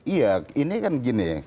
iya ini kan gini